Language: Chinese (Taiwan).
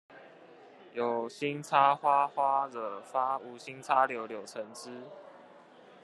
有心插花花惹發，無心插柳柳橙汁